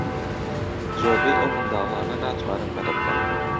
زۆربەی ئەو منداڵانە ناتوانن مەلە بکەن.